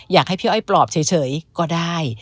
อยากให้พี่อ้อยปลอบเฉยก็ได้